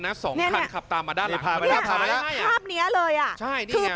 ๒คนขับตามมาด้านหลัง